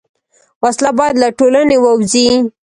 وسله باید له ټولنې ووځي